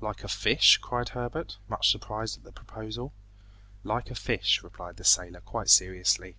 "Like a fish?" cried Herbert, much surprised at the proposal. "Like a fish," replied the sailor quite seriously.